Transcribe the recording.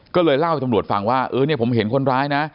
ก็เลยเล่าให้ตำรวจฟังว่าผมเห็นคนร้ายนะ